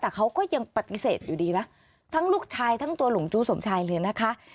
แต่เขาก็ยังปฏิเสธอยู่ดีนะทั้งลูกชายทั้งตัวหลงจู้สมชายเลยนะคะ